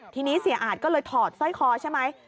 ทีนี้เสียอาจก็เลยถอดสร้อยคอใช่ไหม